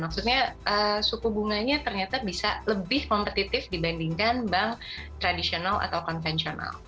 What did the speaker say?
maksudnya suku bunganya ternyata bisa lebih kompetitif dibandingkan bank tradisional atau konvensional